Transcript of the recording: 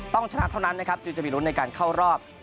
ชนะเท่านั้นนะครับจึงจะมีลุ้นในการเข้ารอบ